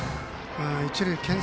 一塁けん